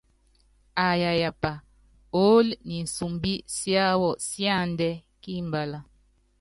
Aa yayapá oolo niinsumbi siáwɔ síaadiɛ́ kímabala.